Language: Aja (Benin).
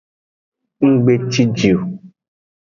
Nggbe ciji o.